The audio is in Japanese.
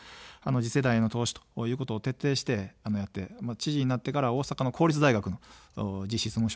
次世代への投資ということを徹底してやって、知事になってから大阪の公立大学も実質無償化というのもやりました。